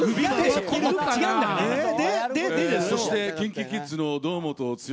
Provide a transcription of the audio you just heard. そしてＫｉｎＫｉＫｉｄｓの堂本剛